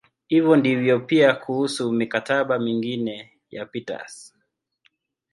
Hivyo ndivyo pia kuhusu "mikataba" mingine ya Peters.